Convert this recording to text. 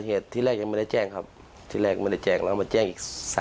หลังเกิดเหตุที่แรกยังไม่ได้แจ้งครับที่แรกไม่ได้แจ้งแล้วมาแจ้งอีก๓วันให้หลังครับ